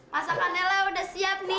masakannya lah udah siap nih